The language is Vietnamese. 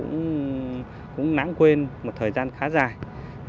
số người làm việc này rất là ít